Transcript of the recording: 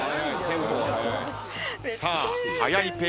さあ速いペース。